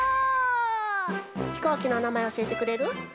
ひこうきのおなまえおしえてくれる？